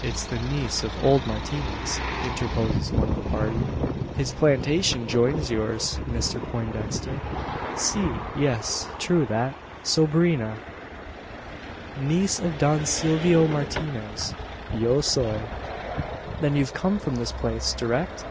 "It's the niece of old Martinez," interposes one of the party. "His plantation joins yours, Mister Poindexter." "Si yes true that. Sobrina niece of Don Silvio Martinez. Yo soy." "Then you've come from his place, direct?